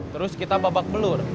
terus kita babak pelur